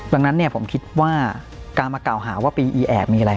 ดังนั้นผมคิดว่าการมากล่าวหาว่าปีอีแอบมีอะไร